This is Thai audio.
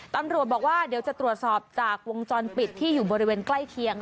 ตำรวจบอกว่าเดี๋ยวจะตรวจสอบจากวงจรปิดที่อยู่บริเวณใกล้เคียง